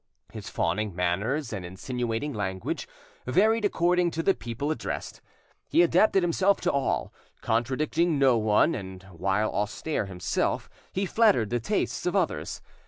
His fawning manners and insinuating language varied according to the people addressed. He adapted himself to all, contradicting no one, and, while austere himself, he flattered the tastes of others.